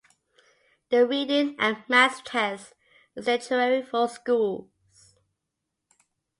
The Reading and Maths tests are statutory for schools.